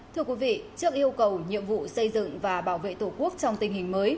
thưa quý vị trước yêu cầu nhiệm vụ xây dựng và bảo vệ tổ quốc trong tình hình mới